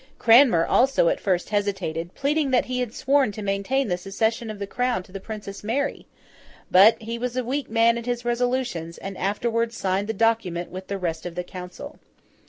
Cranmer, also, at first hesitated; pleading that he had sworn to maintain the succession of the Crown to the Princess Mary; but, he was a weak man in his resolutions, and afterwards signed the document with the rest of the council.